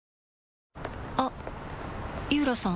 あっ井浦さん